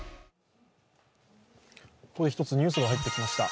ここで１つニュースが入ってきました。